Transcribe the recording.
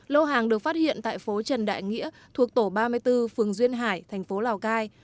lô hàng được phát hiện tại phố trần đại nghĩa thuộc tổ ba mươi bốn phường duyên hải thành phố lào cai